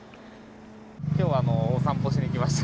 きょうはお散歩しに来ました。